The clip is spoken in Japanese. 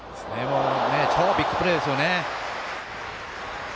超ビッグプレーですよね。